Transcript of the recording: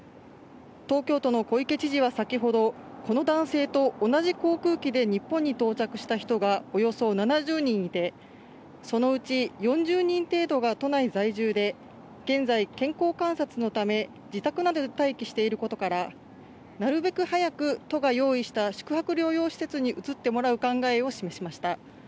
東京都の小池知事は先ほど、この男性と同じ航空機で日本に到着した人がおよそ７０人いて、そのうち４０人程度が都内在住で、現在、健康観察のため、自宅などで待機していることから、なるべく早く都が用意した宿泊療養施設に移ってもらう考えを示しました。